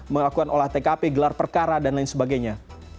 melakukan olah tkp gelar perkara dan lain sebagainya